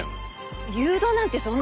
誘導なんてそんな。